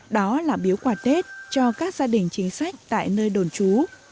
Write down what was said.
đó là biếu quả tết cho các gia đình chính sách tại nơi đồn trú